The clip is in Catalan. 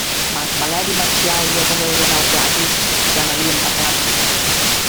Marc Valeri Marcial i Ateneu de Naucratis ja n'havien parlat.